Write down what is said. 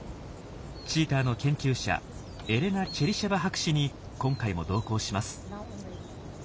チーターの研究者エレナ・チェリシェバ博士に今回も同行します。